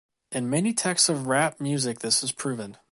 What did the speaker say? In many texts of rap music this is proven.